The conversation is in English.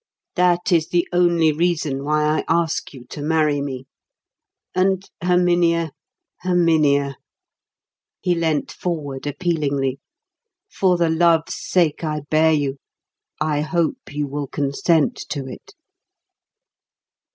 That is the only reason why I ask you to marry me. And Herminia, Herminia," he leant forward appealingly, "for the love's sake I bear you, I hope you will consent to it."